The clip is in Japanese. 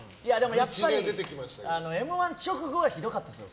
やっぱり「Ｍ‐１」直後はひどかったです。